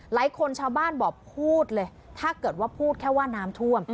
ชาวบ้านบอกพูดเลยถ้าเกิดว่าพูดแค่ว่าน้ำท่วม